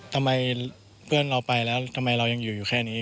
ทำไมเพื่อนเราไปแล้วทำไมเรายังอยู่อยู่แค่นี้